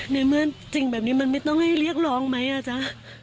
ในเมื่อจริงแบบนี้มันไม่ต้องให้เรียกร้องไหมอ่ะจ๊ะ